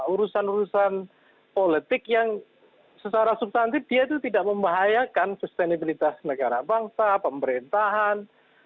urusan urusan politik yang secara substantif dia itu tidak membahayakan sustenabilitas negara bangsa pemerintahan